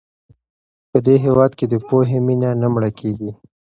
په دې هېواد کې د پوهې مینه نه مړه کېږي.